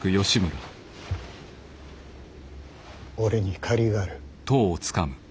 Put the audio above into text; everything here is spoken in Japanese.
俺に借りがある。